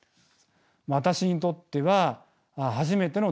私にとっては初めての大学院生。